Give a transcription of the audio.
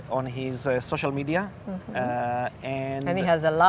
dan dia menetapkan di media sosialnya